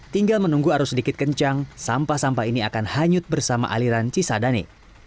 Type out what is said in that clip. tinggal menunggu arus sedikit kencang sampah sampah ini akan hanyut bersama aliran cisadane